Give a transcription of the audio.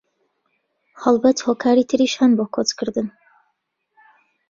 هەڵبەت هۆکاری تریش هەن بۆ کۆچکردن